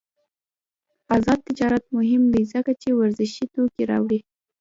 آزاد تجارت مهم دی ځکه چې ورزشي توکي راوړي.